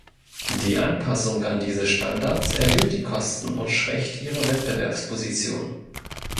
Die Anpassung an diese Standards erhöht die Kosten und schwächt ihre Wettbewerbsposition.